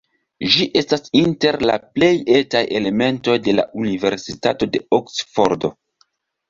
Ĝi estas inter la plej etaj elementoj de la Universitato de Oksfordo.